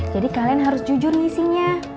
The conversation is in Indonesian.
jadi kalian harus jujur ngisinya